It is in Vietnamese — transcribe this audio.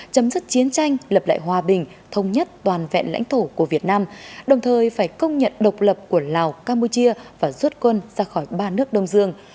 chấm dứt chiến tranh lập lại hòa bình thông nhất toàn vẹn lãnh thổ của việt nam đồng thời phải công nhận độc lập của lào campuchia và rút quân ra khỏi ba nước đông dương